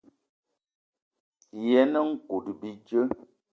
Yen nkout bíjé.